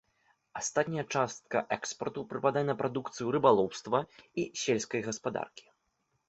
Астатняя частка экспарту прыпадае на прадукцыю рыбалоўства і сельскай гаспадаркі.